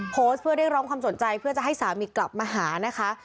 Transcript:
โพสต์เพื่อเรียกร้องความสนใจเพื่อจะให้สามีกลับมาหานะคะ